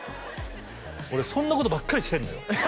俺そんなことばっかりしてんのよ